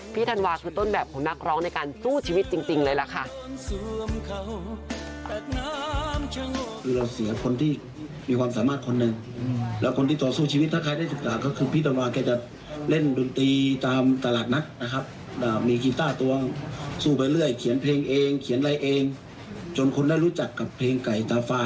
ธันวาคือต้นแบบของนักร้องในการสู้ชีวิตจริงเลยล่ะค่ะ